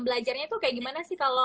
belajarnya tuh kayak gimana sih kalau